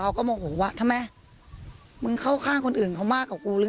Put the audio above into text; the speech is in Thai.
เขาก็โหมโหวะทำไมมึงเข้าข้างคนอื่นเขามากกับกูหรือ